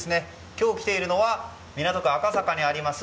今日、来ているのは港区赤坂にあります